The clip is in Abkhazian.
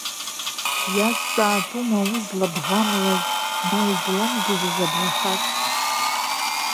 Иазҵаатәума уи злабӷамлаз, ма изламгьежьыз аблахаҵ!